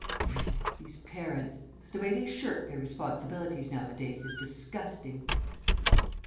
Really, these parents! The way they shirk their responsibilities nowadays is disgusting.